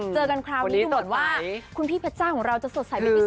เจอกันคราวนี้ดูหมดว่าคุณพี่เพชจ้าของเราจะสดใสไม่พิเศษ